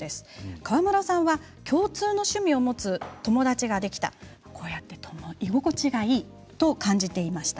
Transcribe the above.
川村さんは共通の趣味を持つ友達ができた居心地がいいと感じていました。